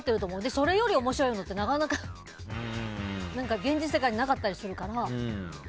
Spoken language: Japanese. それより面白いのって、なかなか現実世界になかったりするから。